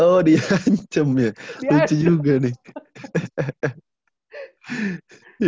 oh di ancam ya lucu juga nih